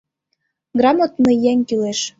Грамотный еҥ кӱлеш.